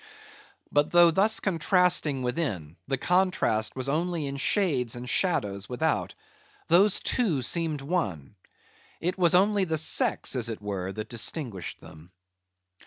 But though thus contrasting within, the contrast was only in shades and shadows without; those two seemed one; it was only the sex, as it were, that distinguished them.